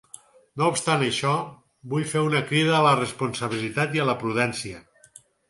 No obstant això, vull fer una crida a la responsabilitat i la prudència.